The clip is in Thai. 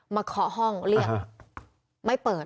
เคาะห้องเรียกไม่เปิด